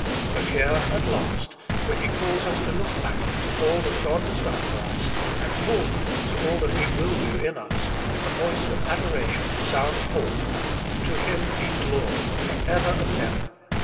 But here, at last, when he calls us to look back to all that God has done for us, and forward to all that He will do in us, the voice of adoration sounds forth : To Him be glory for ever and ever.